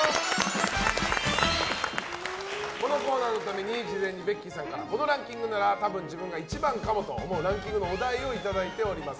このコーナーのために事前にベッキーさんからこのランキングなら多分自分が１番かもと思うランキングのお題をいただいております。